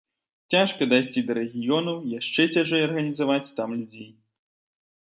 Цяжка дайсці да рэгіёнаў, яшчэ цяжэй арганізаваць там людзей.